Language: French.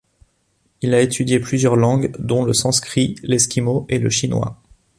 Elle a étudié plusieurs langues dont le sanscrit, l'esquimau et le chinois.